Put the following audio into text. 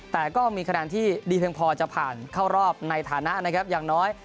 แต่ก็มีคะแนนที่ดีเพียงพอจะผ่านเข้ารอบในฐานะนะครับอย่างน้อย